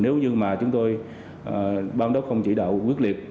nếu như mà chúng tôi bám đó không chỉ đạo quyết liệt